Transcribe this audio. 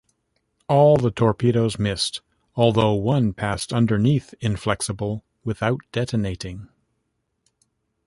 All the torpedoes missed, although one passed underneath "Inflexible" without detonating.